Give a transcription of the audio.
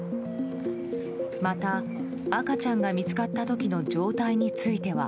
また、赤ちゃんが見つかった時の状態については。